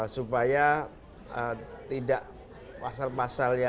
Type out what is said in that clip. supaya tidak pasal pasalnya